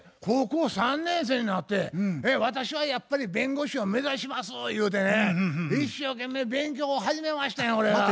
高校３年生になって私はやっぱり弁護士を目指しますゆうてね一生懸命勉強を始めましたんやこれが。